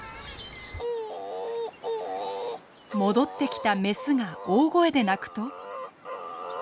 戻ってきた雌が大声で鳴くと。